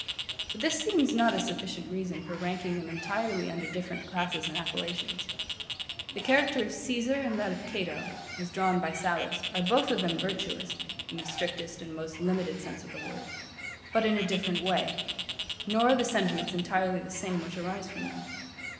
But this seems not a sufficient reason for ranking them entirely under different classes and appellations. The character of Caesar and that of Cato, as drawn by Sallust, are both of them virtuous, in the strictest and most limited sense of the word; but in a different way: nor are the sentiments entirely the same which arise from them.